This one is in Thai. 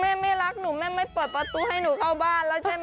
ไม่รักหนูแม่ไม่เปิดประตูให้หนูเข้าบ้านแล้วใช่ไหม